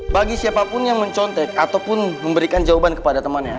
bagi siapapun yang mencontek ataupun memberikan jawaban kepada temannya